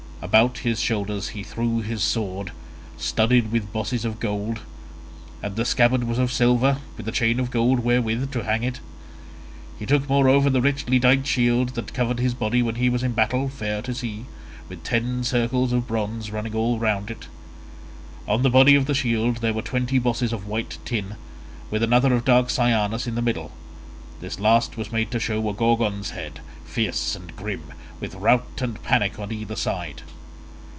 About his shoulders he threw his sword, studded with bosses of gold; and the scabbard was of silver with a chain of gold wherewith to hang it. He took moreover the richly dight shield that covered his body when he was in battle—fair to see, with ten circles of bronze running all round it. On the body of the shield there were twenty bosses of white tin, with another of dark cyanus in the middle: this last was made to show a Gorgon's head, fierce and grim, with Rout and Panic on either side.